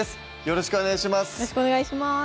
よろしくお願いします